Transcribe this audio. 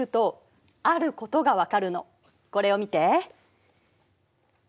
これを見て。